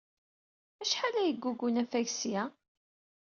Acḥal ay yeggug unafag seg-a?